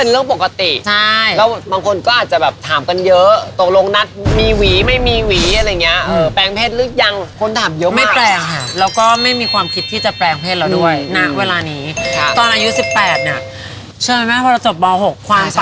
เราก็จะมีฟิลล์แบบช้อนก้าว